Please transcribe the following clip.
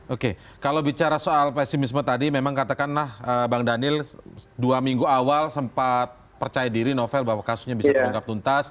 oke kalau bicara soal pesimisme tadi memang katakanlah bang daniel dua minggu awal sempat percaya diri novel bahwa kasusnya bisa terungkap tuntas